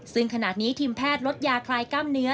ซึ่งขณะนี้ทีมแพทย์ลดยาคลายกล้ามเนื้อ